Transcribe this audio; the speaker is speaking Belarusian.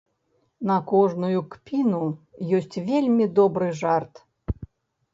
На кожную кпіну ёсць вельмі добры жарт.